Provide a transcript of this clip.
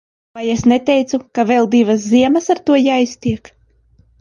Vai es neteicu, ka vēl divas ziemas ar to jāiztiek.